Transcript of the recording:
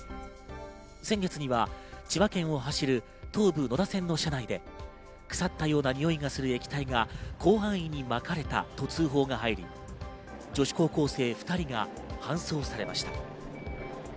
先月には千葉県を走る東武野田線の車内で腐ったようなにおいがする液体が広範囲にまかれたと通報が入り、女子高校生２人が搬送されました。